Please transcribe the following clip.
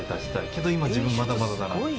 けど今自分まだまだだなって。